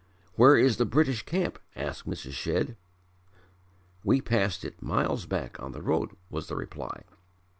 "Where is the British camp?" asked Mrs. Shedd. "We passed it miles back on the road," was the reply.